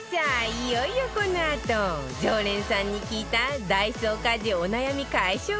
いよいよこのあと常連さんに聞いたダイソー家事お悩み解消グッズ